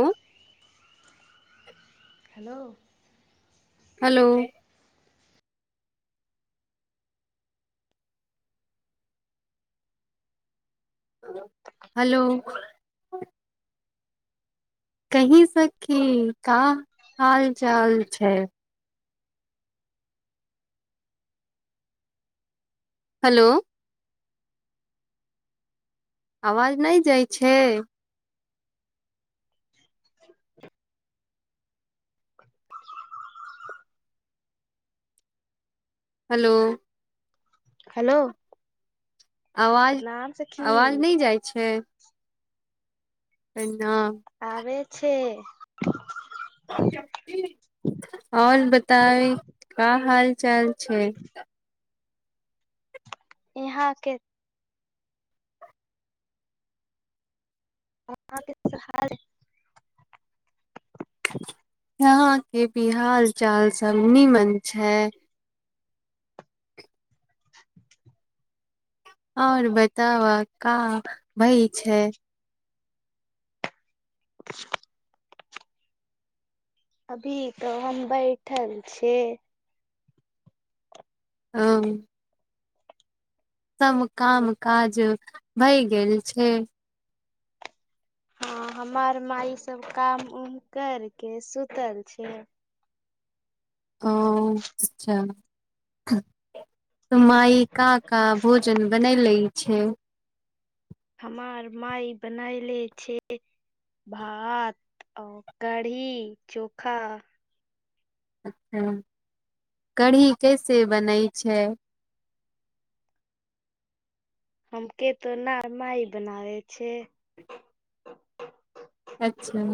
ओ hello hello hello कही सखी का हाल चाल छैय। हलो आवाज नई जाइ छैय? [inaudible] हलो हलो आवाज आवाज नई जाई छैय? न छे आउर बताई का हाल चाल छैय। यहाँ के [unintelligible] यहां के बि हाल चाल सब नीमन छैय आउर बताब का भई छैय [inaudible] अभी तऽ हम बैठल छी हं सम काम काज भई गेल छैय हँ हमार माई सब काम उम करके सुतल छैय। ओ अच्छा माई का का भोजन बनई लैइ छैय? हमार माई बनायले छैय भात औ कढ़ी चोखा अच्छा कढ़ी कैसे बनैइ छैय? [inaudible] हम के त ना माई बनावै छैय। अच्छा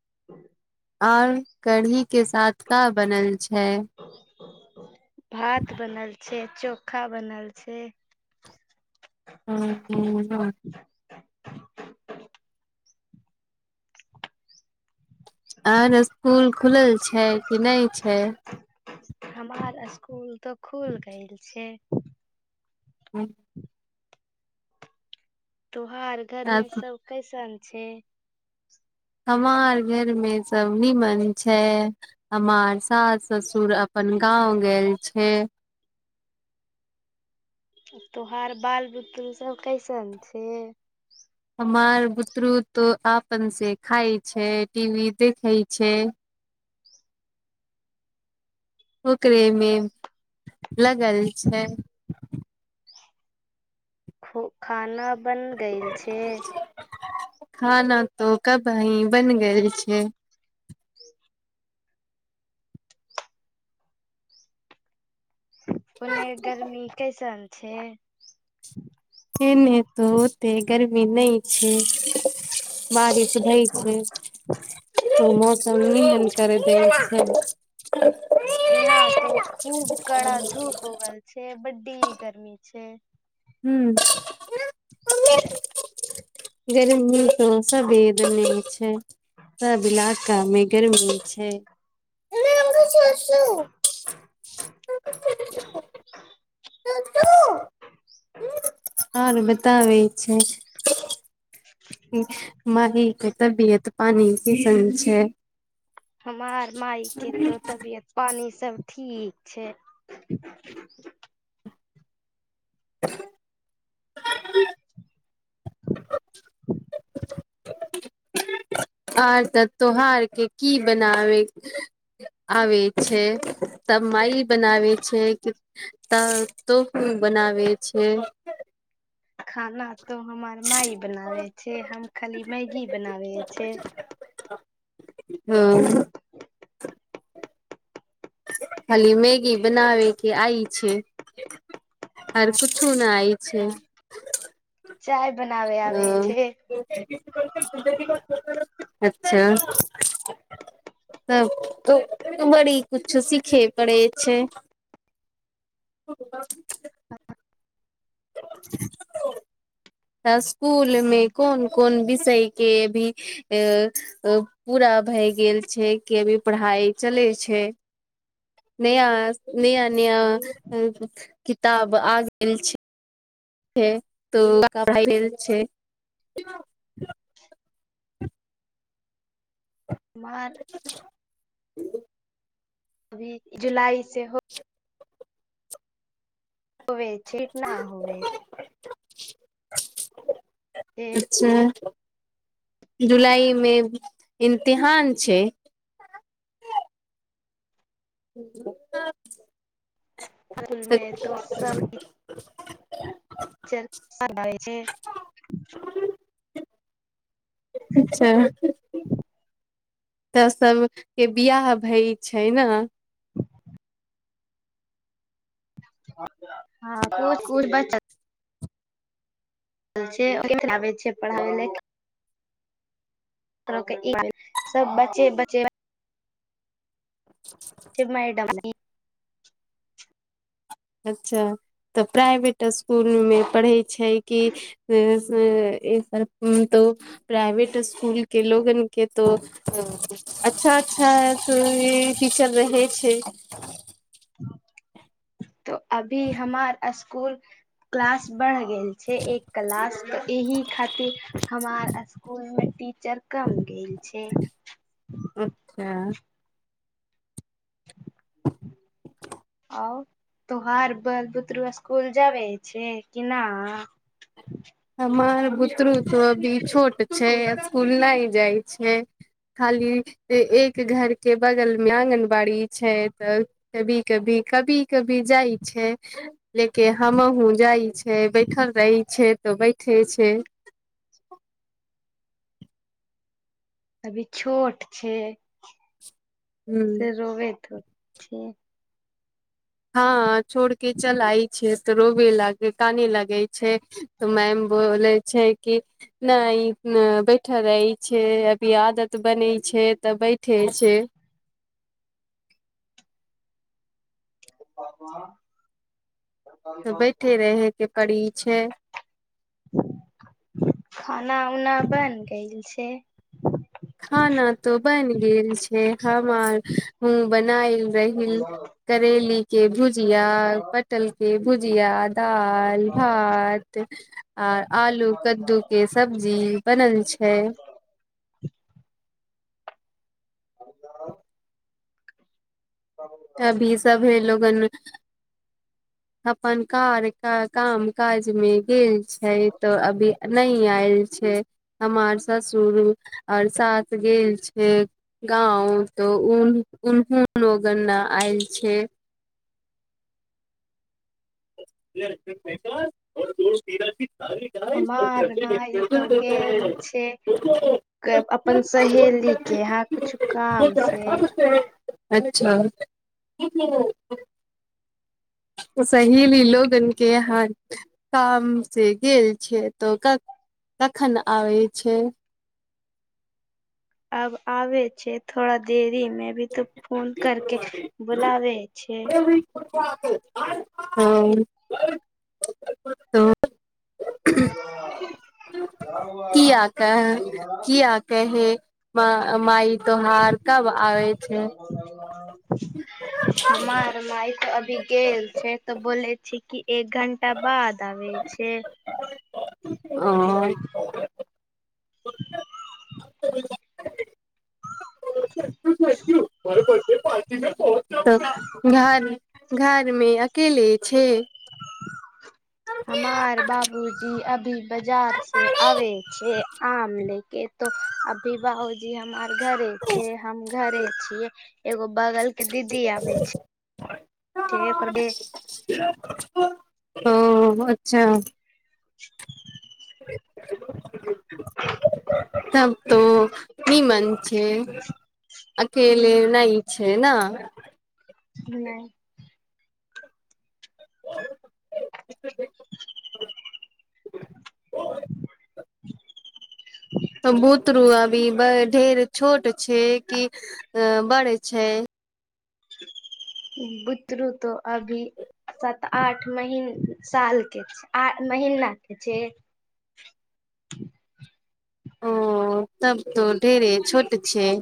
[inaudible] और कढ़ी के साथ का बनल छैय? भात बनल छैय चोखा बनल छैय। हूंअ् हूंअ् हूंअ् आर इसकुल खुलल छैय कि नई छैय हमार स्कुल तऽ खुल गेल छैय। [inaudible] तोहार घर में सब कैसन छैय? हमार घर में सब नीमन छैय हमार सास ससुर अप पन गाँव गेल छैय। त्योहार बाल बुतरू सब कैसन छैय? हमार बुतरू त आपन से खाई छैय टीवी देखैइ छैय। ओकरे में लगल छैय। ख खाना बन गेइल छैय? खाना तो कबही बन गेल छैय। [inaudible] ओने गर्मी कैसन छैय? ऐने त ओते गरमी नई छैय बारिश सुै छैय तो मौसम नहि करै छैय। यहाँ तो खूब की गर्मी छैय हू [inaudible] गरीब तसा भेद नहि हो छैय। सब इलाका मे गर्मी छैय। चु ततु आरो बताबै छैय माइ के तबियत पानी केहन छैय? हमार माइ के तो तबियत पानि सब ठीक छैय। आर तऽ तोहार के की बनाबे आबै छैय? सब माइ बनावे छैय कि त तोहु बनावै छैय। खाना तो हमार माय बनावे छैय हम खाली मैगी बनावे छैय। हँ खाली मैगी बनावे के आइ छैय। आर किछो नहि आइ छैय। चाय बनावे ह आबे छै अच्छा तब त तरी कुछु सीखे पड़े छैय हो गेलौ [inaudible] त स्कूल मे कोन कोन विषय के अभी अ अ पूरा भए गेल छैय कि अभी पढ़ाइ चलै छैय? नया नया नया किताब आ गेल छैय। छैय त का भैगेल छैय। हमार ह अभी जुलाइ सेहो होबे छैय क न होवे? छै अच्छा जुलाई मे इम्तिहान छैय। त स्कूल में तो त च छै अच्छा तऽ सभके बियाह भई छैय ने हँ कु कुछ बच च के आबै छैय पढ़ाबै ल सब बचे बचे माइडम अच्छा तऽ प्राइवेट स्कूलमे पढ़ैत छैय कि एकर तऽ प्राइवेट स्कूलके लोगनके तो अच्छा अच्छा ह त टीचर रहे छैय त अभी हमार स्कूल क्लास बढ़ गेल छैय एक क्लास तऽ एहि खातिर हमार स्कूल मे टीचर कम गेल छैय। अच्छा [inaudible] और तोहार बल बुतरु स्कूल जाबे छैय कि ना? हमर बुतरू तो अभी छोट छैय स्कूल नई जाइ छैय। खाली ए एक घर के बगल मे आँगनबाड़ी छैय तऽ कभी कभी कभी कभी जाइ छैय लेके हमहुँ जाइ छैय बैठल रहै छैय। तऽ बैठे छैय। अभी छोट छैय से ह रोबेतऽ [unintelligible] हँ छोड़ के चल आइ छे तऽ रोबे लागे काने लागे छैय त मैम बोले छैय कि नाई न बैठल रहे छैय अभी आदत बन छैय छैय तऽ बैठे छैय। [inaudible] तऽ बैठे रहे के परड़ी छैय। खाना उना बन गेइल छैय? खाना तो बन गेल छैय हम आर ह बनायल रहील करेली के भुजिया पटल के भुजिया दाल भात आ आलू कद्दू के सब्जी बनल छैय। छैय [inaudible] [unintelligible] अभी सभे लोगन अपन कार क काम काज मे गेल छैय तो अभी नहि आयल छैय हमार ससुर आर सास गेल छैय गाँव। तऽ उनउनहुन लोगन् आयल छैय। [inaudible] [unintelligible] गाइस और हमार चर्चे के माई तऽ प्रेजेंट देते गेल हैं छैय। उसको क अपन सहेलीके एहा कुछु तो काम क्या से। खा सकते अच्छा सहीली लोगन के यहाँ काम से गेल छैय तो कखन आबै छैय। अब आबे छैय थोड़ा देरी मे भी त फोन करके बुलाबे छै ह [unintelligible] कीआक कीआ कहे म माइ हमार माई त अभी गेल छैय तऽ बोले छे कि एक घंटा बाद आबै छैय। आ [unintelligible] [inaudible] [unintelligible] घर मे अकेले छैय। हमार बाबूजी अभ बाजार से आबे छैय आम लेके तो अभी बाबूजी हमार घरे छैय हम घरे छियै एगो बगल के दीदी आबे छैय ओकर बे ओ अच्छा [inaudible] [inaudible] तब तो निमन छैय। अकेले नई छैय ने नहि [unintelligible] [unintelligible] [unintelligible] तऽ बुतरू अभी ब ढेर छोट छैय कि बड़ छैय? बुतरू तऽ अभी सात आठ महीन सालके छै आ महीनाके छैय। [inaudible] ओ तब तऽ ढेरे छोट छैय।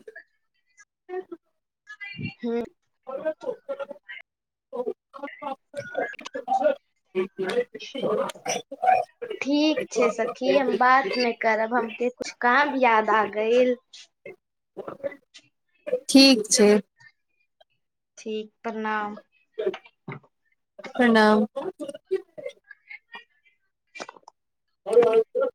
हँ [unintelligible] कू [unintelligible] ठीक छैय सखी हम बात नहि करब हमके किछु काम याद आगईल। ठीक छैय। ठीक प्रणाम। प्रणाम धुए कु